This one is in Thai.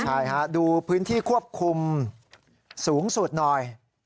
ใช่ฮะดูพื้นที่ควบคุมสูงสุดหน่อย